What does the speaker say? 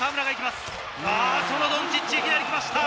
ドンチッチ、いきなり来ました。